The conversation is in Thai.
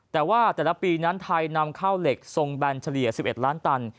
แต่ว่าแต่ละปีนั้นไทยนำข้าวเหล็กทรงแบนเฉลี่ย๑๑ล้านตัน